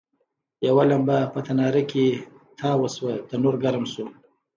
یوه لمبه په تناره کې تاوه شوه، تنور ګرم شو.